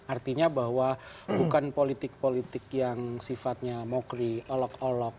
artinya bahwa bukan politik politik yang sifatnya mokri olok olok